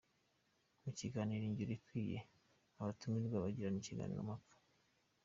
Mu kiganiro Ingiro ikwiye, abatumirwa bagirana ikiganiro-mpaka.